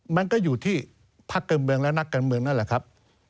มันก็อยู่ที่พักการเมืองและนักการเมืองนั่นแหละครับ